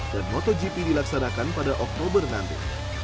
dan motogp dilaksanakan pada oktober nanti